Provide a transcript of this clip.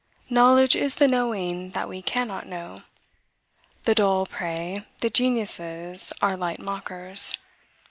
Knowledge is the knowing that we cannot know. The dull pray; the geniuses are light mockers.